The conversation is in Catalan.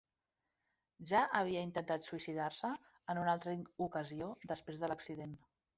Ja havia intentat suïcidar-se en una altra ocasió després de l'accident.